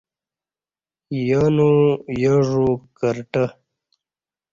یا نویا زو کرٹہ